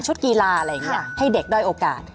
กีฬาอะไรอย่างนี้ให้เด็กด้อยโอกาส